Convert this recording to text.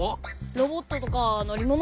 ロボットとかのりもの？